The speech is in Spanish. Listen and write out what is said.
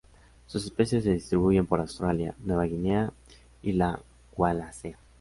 Sus especies se distribuyen por Australia, Nueva Guinea y la wallacea.